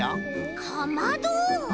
かまど？